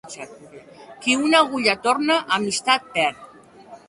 Qui una agulla torna, amistat perd.